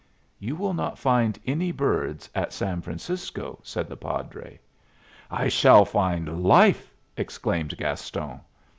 "You will not find any birds at San Francisco," said the padre. "I shall find life!" exclaimed Gaston.